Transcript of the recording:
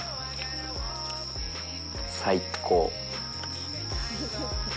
最高！